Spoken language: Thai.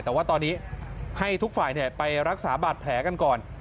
แต่ว่าตอนนี้ให้ทุกฝ่ายไปรักษาบาดแผลกันก่อน